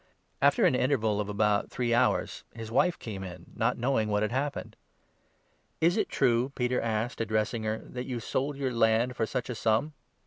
After an interval of about three hours his wife came in, not 7 knowing what had happened. "Is it true," Peter asked, addressing her, "that you sold 8 your land for such a sum